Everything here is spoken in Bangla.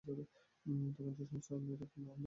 তখন যে সমস্ত নীরব এবং অন্ধকার।